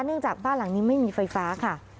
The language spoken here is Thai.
จากบ้านหลังนี้ไม่มีไฟฟ้าค่ะ